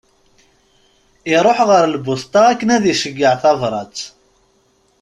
Iruḥ ɣer lbuṣta akken ad iceyyeε tabrat.